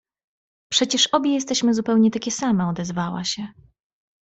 — Przecież obie jesteśmy zupełnie takie same — odezwała się.